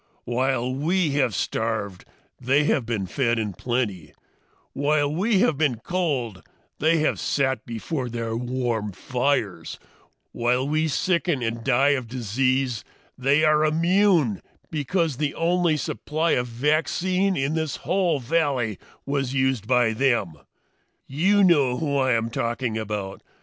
"While we have starved, they have been fed in plenty; while we have been cold, they have sat before their warm fires; while we sicken and die of disease, they are immune because the only supply of vaccine in this whole valley was used by them. "You know who I am talking about!